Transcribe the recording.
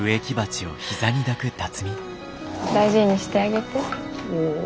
大事にしてあげて。